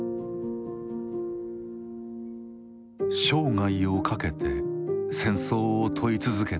生涯をかけて戦争を問い続けた半藤さん。